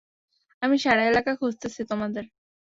আমি সারা এলাকা খুজতেসি, তোমাদের।